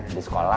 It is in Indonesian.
stand di sekolah